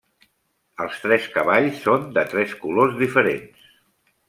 Els tres cavalls són de tres colors diferents.